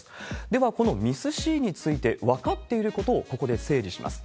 ではこのＭＩＳ−Ｃについて分かっていることをここで整理します。